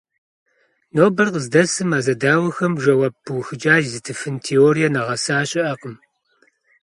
Нобэр къыздэсым а зэдауэхэм жэуап пыухыкӀа езытыфын теорие нэгъэса щыӀэкъым.